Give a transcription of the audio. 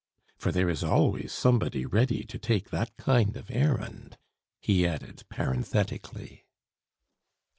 for there is always somebody ready to take that kind of errand " he added parenthetically.